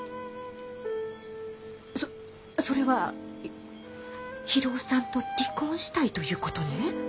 そっそれは博夫さんと離婚したいということねぇ？